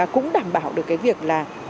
cũng đảm bảo được cái việc là